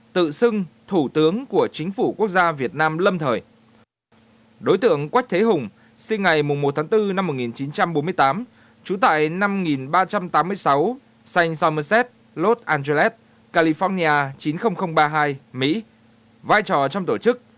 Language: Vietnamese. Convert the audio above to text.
tổ chức chính phủ quốc gia việt nam lâm thời là tổ chức chủ mưu trong vụ đặt bom xăng tại nhà xe và cổng ga đến quốc tế